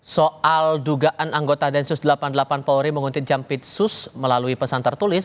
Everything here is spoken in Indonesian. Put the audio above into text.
soal dugaan anggota densus delapan puluh delapan polri menguntit jampitsus melalui pesan tertulis